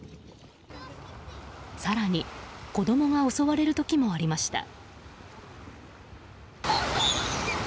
更に子供が襲われる時もありました。